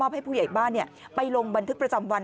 ให้ผู้ใหญ่บ้านไปลงบันทึกประจำวัน